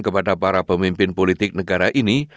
kami sekarang memiliki tujuh puluh delapan penyelidikan positif